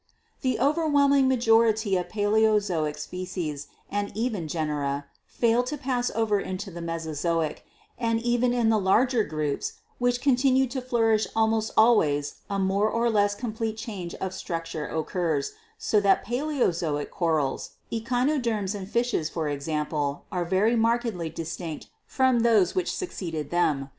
"The overwhelming majority of Paleozoic species, and even genera, fail to pass over into the Mesozoic, and even in the larger groups which continued to flourish almost al ways a more or less complete change of structure occurs, so that Paleozoic corals, Echinoderms and fishes, for ex ample, are very markedly distinct from those which suc ceeded them.